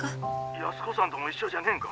☎安子さんとも一緒じゃねえんか！